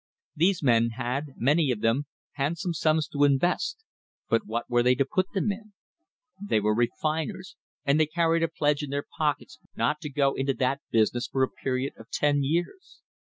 These men had, many of them, handsome sums to invest, but what were they to put them in? They were refiners, and they carried a pledge in their pockets not to go into that business for a period of ten years.